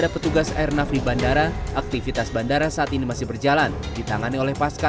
ada petugas airnafri bandara aktivitas bandara saat ini masih berjalan ditangani oleh pasca